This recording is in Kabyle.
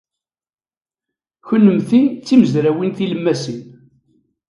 Kennemti d timezrawin tilemmasin.